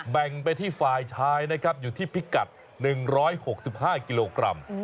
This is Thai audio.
แบ่งไปที่ฝ่ายชายนะครับอยู่ที่พิกัด๑๖๕กิโลกรัม